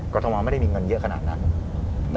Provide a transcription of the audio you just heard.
ทมไม่ได้มีเงินเยอะขนาดนั้น